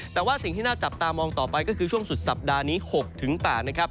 แต่ว่าสิ่งที่น่าจับตามองต่อไปก็คือช่วงสุดสัปดาห์นี้๖๘นะครับ